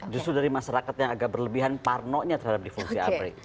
justru dari masyarakat yang agak berlebihan parno nya terhadap dwi fungsi abri